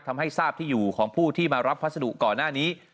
ทำให้ทราบที่อยู่ของผู้ที่มารับพัสดุก่อนหน้านี้